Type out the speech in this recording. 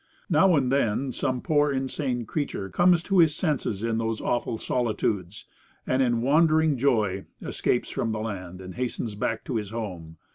Now and then some poor insane creature comes to his senses in those awful solitudes, and, in wondering joy, escapes from the land and hastens back to his home.